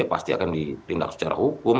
pasti akan ditindak secara hukum